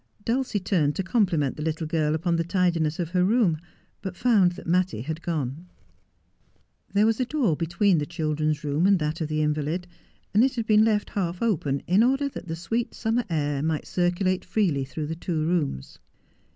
Dulcie turned to compliment the little girl upon the tidi ness of her room, but found that Mattie had gone. There was a door between the children's room and that of the invalid, and it had been left half open in order that the sweet summer air might circulate freely through the two rooms.